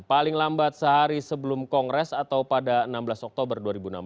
paling lambat sehari sebelum kongres atau pada enam belas oktober dua ribu enam belas